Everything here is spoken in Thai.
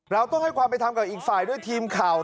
เราต้องให้ความไปทำกับอีกฝ่ายด้วยทีมข่าว